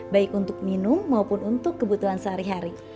baik untuk minum maupun untuk kebutuhan sehari hari